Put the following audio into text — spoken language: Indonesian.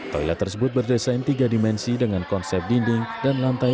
toilet tersebut berdesain tiga dimensi dengan konsep dinding dan lantai